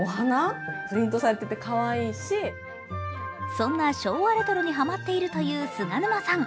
そんな昭和レトロにハマっているという菅沼さん。